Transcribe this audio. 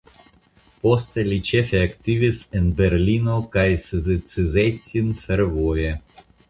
Poste li ĉefe aktivis en Berlino kaj Szczecin fervoje.